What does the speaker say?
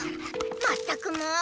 まったくもう。